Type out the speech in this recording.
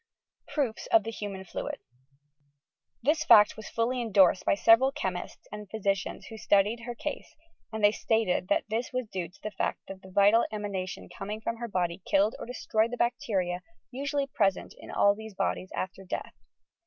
PROOFS OP TnB nUMAN FLUID This fact was fully endorsed by several chemists and physicians who studied her case and they stated that this was due to the fact that the vital emanation coming from her body killed or destroyed the bacteria usually present in all these bodies after death.